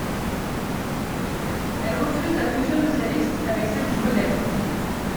Elle refuse la fusion de sa liste avec celle du MoDem.